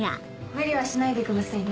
無理はしないでくださいね。